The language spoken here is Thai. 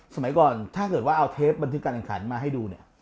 สมัยก่อนถ้าเกิดว่าเอาเทปบันทึกการแข่งขันมาให้ดูเนี่ย